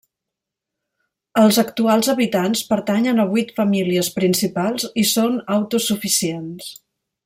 Els actuals habitants pertanyen a vuit famílies principals i són autosuficients.